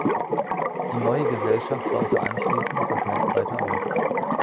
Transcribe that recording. Die neue Gesellschaft baute anschließend das Netz weiter aus.